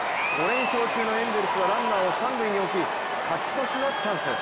５連勝中のエンゼルスはランナーを三塁に置き勝ち越しのチャンス。